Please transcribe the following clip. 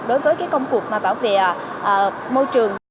đối với công cuộc bảo vệ môi trường